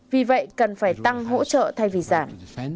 vì vậy cần phải tăng hỗ trợ thay vì giảm